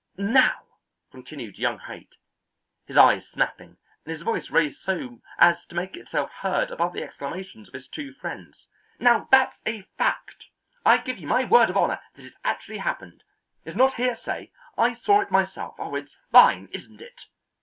Now," continued young Haight, his eyes snapping, and his voice raised so as to make itself heard above the exclamations of his two friends, "now, that's a fact; I give you my word of honour that it actually happened. It's not hearsay; I saw it myself. It's fine, isn't it?"